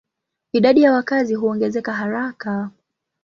Idadi ya wakazi huongezeka haraka.